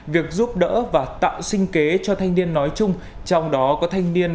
việc giúp đỡ và tạo sinh kế cho thanh niên nói chung trong đó có thanh niên